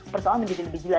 persoalan menjadi lebih jelas